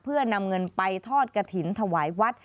เพื่อนำเงินไปทอดกระถิ่นถวายวัด